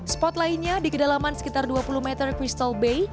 spot lainnya di kedalaman sekitar dua puluh meter crystal bay